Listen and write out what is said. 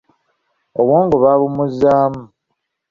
Obwongo babumuuzaamu.